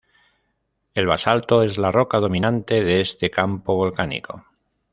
El basalto es la roca dominante de este campo volcánico.